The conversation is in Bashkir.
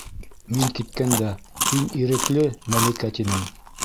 Мин киткәндә: «Һин ирекле, Мәликә!» - тинең.